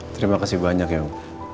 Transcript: terima kasih banyak ya om